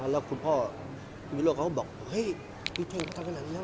แล้วคุณพ่อมีโลกเขาก็บอกเฮ้ยพี่เท่งเขาทำแบบนี้แล้ว